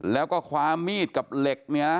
แล้วก็คว้ามีดกับเหล็กเนี่ย